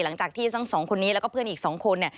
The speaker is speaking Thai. หลังจากที่สองคนนี้แล้วก็เพื่อนอีกสองคน